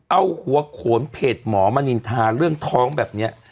เอาหัวโขนเพจหมอมณินทาเรื่องท้องแบบนี้